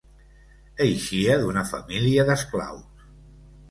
Eixia d'una família d'esclaus.